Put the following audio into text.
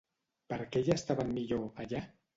Per què hi estaven millor, allà?